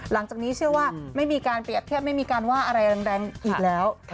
หลังจากนี้เชื่อว่าไม่มีการเปรียบเทียบไม่มีการว่าอะไรแรงอีกแล้ว